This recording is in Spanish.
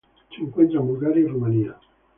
Se encuentra en Bulgaria y Rumania.